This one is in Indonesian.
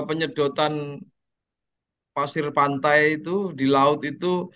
penyedotan pasir pantai itu di laut itu